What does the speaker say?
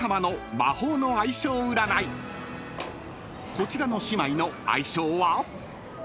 ［こちらの姉妹の相性は？］